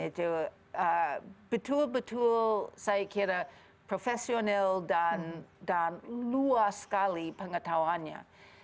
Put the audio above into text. itu betul betul saya kira profesional dan luas sekali pengetahuannya